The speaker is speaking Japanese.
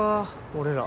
俺ら。